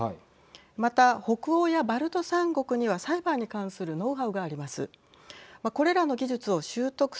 また、北欧やバルト３国にはサイバーに関するノウハウがあります。